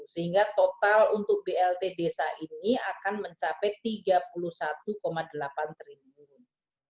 sehingga total untuk blt desa ini akan mencapai rp tiga puluh satu delapan triliun